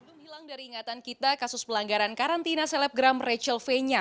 belum hilang dari ingatan kita kasus pelanggaran karantina selebgram rachel fenya